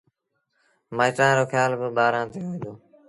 مآئيٚٽآݩ رو کيآل با ٻآرآݩ تي هوئي دو۔